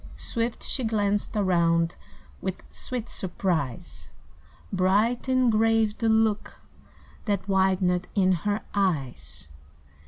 Swift she glanced around with Sweet surprise; Bright and grave the look that Widened in her eyes.